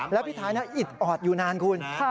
และพี่ท้ายน่ะอิดออดอยู่นานคุณ